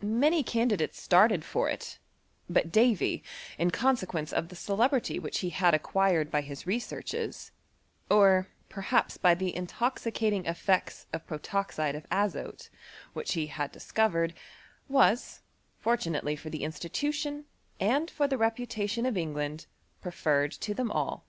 Many candidates started tor it ; but Davy, in consequence of the celebrity which he had acquired by his researches, or perhaps by the intoxicating e£fects of protoxide of azote^ iHiich he had discovered, was, fortunately for the institution and for the reputation of England, pre fanced to them ail.